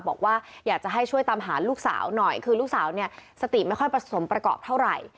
บอกว่าอยากจะให้ช่วยตามหาลูกสาวหน่อยคือลูกสาวเนี่ยสติไม่ค่อยผสมประกอบเท่าไหร่